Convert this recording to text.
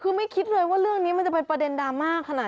คือไม่คิดเลยว่าเรื่องนี้มันจะเป็นประเด็นดราม่าขนาด